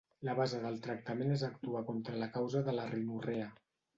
La base del tractament és actuar contra la causa de la rinorrea.